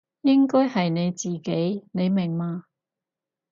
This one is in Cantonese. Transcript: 應該係你自己，你明嘛？